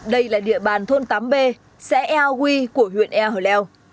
đây là địa bàn thôn tám b xã ea huy của huyện ea hồi leo